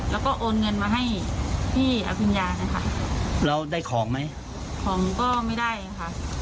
แล้วก็โอนเงินมาให้พี่อภิญญาเลยค่ะแล้วได้ของไหมของก็ไม่ได้ค่ะ